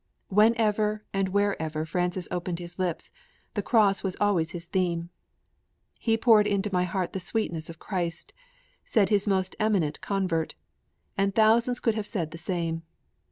Whenever and wherever Francis opened his lips, the Cross was always his theme. 'He poured into my heart the sweetness of Christ!' said his most eminent convert, and thousands could have said the same.